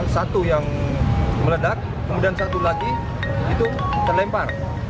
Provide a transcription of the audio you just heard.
satu yang meledak kemudian satu lagi itu terlempar